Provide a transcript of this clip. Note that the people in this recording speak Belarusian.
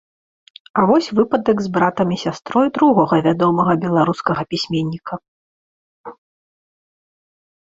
А вось выпадак з братам і сястрой другога вядомага беларускага пісьменніка.